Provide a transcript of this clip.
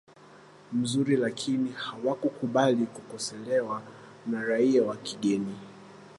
mzuri Lakini hawakubali kukosolewa na raia wa kigeni